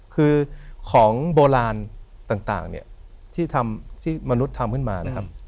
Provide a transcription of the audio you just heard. คือของโบราณต่างเนี่ยที่มนุษย์ทำขึ้นมานะครับ